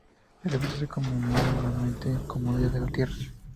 El evento se conmemora anualmente como Día de la Tierra.